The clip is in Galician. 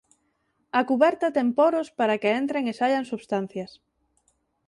A cuberta ten poros para que entren e saian substancias.